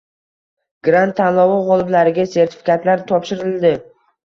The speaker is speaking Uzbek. Grant tanlovi g‘oliblariga sertifikatlar topshirildi